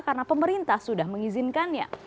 karena pemerintah sudah mengizinkannya